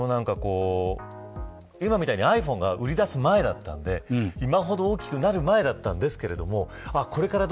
今みたいにｉＰｈｏｎｅが売り出す前だったんで今ほど大きくなる前だったんですけれども。